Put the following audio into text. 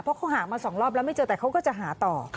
เพราะเขาหามา๒รอบแล้วไม่เจอแต่เขาก็จะหาต่อ